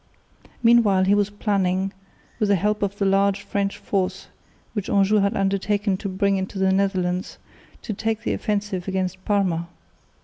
Meanwhile he was planning, with the help of the large French force which Anjou had undertaken to bring into the Netherlands, to take the offensive against Parma.